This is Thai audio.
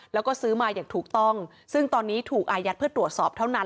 แล้วก็ซื้อมาอย่างถูกต้องซึ่งตอนนี้ถูกอายัดเพื่อตรวจสอบเท่านั้น